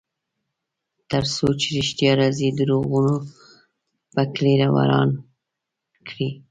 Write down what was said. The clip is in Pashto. ترڅو چې ریښتیا راځي، دروغو به کلی وران کړی وي.